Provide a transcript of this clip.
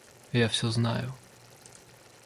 Я всё знаю.